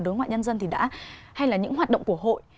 đối ngoại nhân dân thì đã hay là những hoạt động của hội